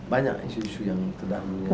banyak isu isu yang terdahulu